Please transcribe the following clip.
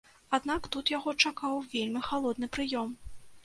Аднак тут яго чакаў вельмі халодны прыём.